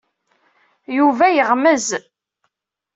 Yuba yeɣmez.